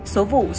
số vụ số người